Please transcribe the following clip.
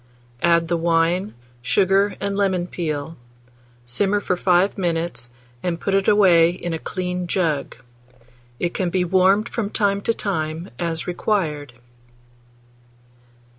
Add the wine, sugar, and lemon peel; simmer for 5 minutes, and put it away in a clean jug. It can be warmed from time to time, as required.